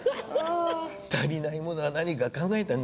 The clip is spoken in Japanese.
足りないものは何か考えたんでしょうね